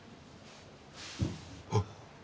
あっ。